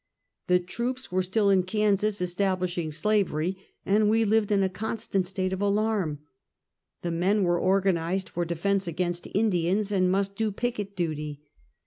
The troops were still in Kansas establishing slavery, and we lived in a constant state of alarm. The men were organized for defense against Indians, and must do picket duty.